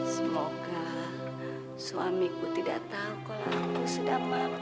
semoga suamiku tidak tahu kalau aku sudah mampu